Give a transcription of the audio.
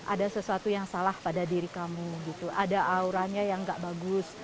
ada sesuatu yang salah pada diri kamu gitu ada auranya yang gak bagus